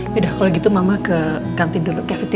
yaudah kalo gitu mama ke kantin dulu